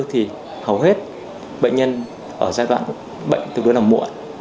thì hầu hết bệnh nhân ở giai đoạn bệnh tư vấn là muộn